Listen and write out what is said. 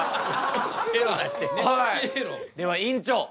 では院長